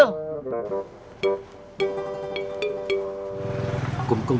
tidak mau jalan ke mobil